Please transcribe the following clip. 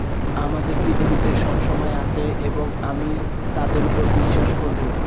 আমাদের পৃথিবীতে সব সময় আছে, এবং আমি তাদের উপর কাজ করব।